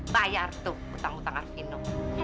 bayar tuh utang utang arvino